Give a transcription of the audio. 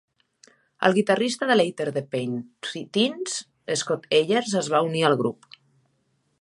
El guitarrista de Later The Pain Teens, Scott Ayers, es va unir al grup.